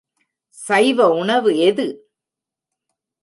சைவ உணவு எது?